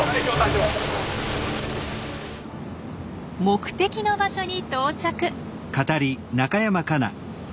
目的の場所に到着。